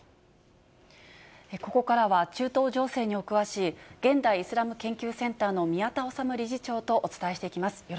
ここからは中東情勢にお詳しい、現代イスラム研究センターの宮田律理事長とお伝えしていきます。